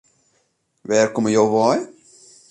Wêr komme jo wei?